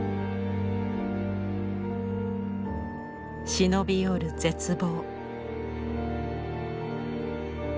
忍び寄る絶望。